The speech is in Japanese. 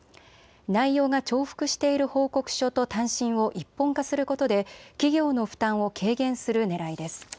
内容が重複している報告書と短信を一本化することで企業の負担を軽減するねらいです。